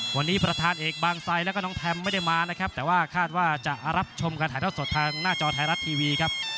วันนี้ประธานเอกบางไซดแล้วก็น้องแทมไม่ได้มานะครับแต่ว่าคาดว่าจะรับชมการถ่ายเท่าสดทางหน้าจอไทยรัฐทีวีครับ